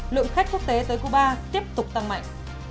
lượng khách quốc tế tới cuba tiếp tục tăng mạnh